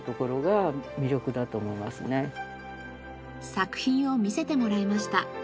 作品を見せてもらいました。